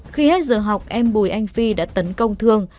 khi hết giờ học em bùi anh phi đã tấn công thương